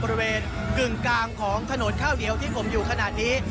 กึ่งกลางของถนนข้าวเหนียวที่ผมอยู่ขนาดนี้